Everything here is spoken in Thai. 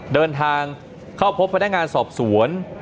เดินทางเข้าพบพนักงานสอบสวน